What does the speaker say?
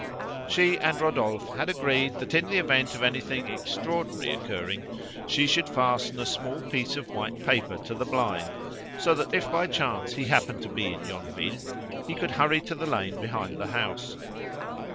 She and Rodolphe had agreed that in the event of anything extraordinary occurring, she should fasten a small piece of white paper to the blind, so that if by chance he happened to be in Yonville, he could hurry to the lane behind the house.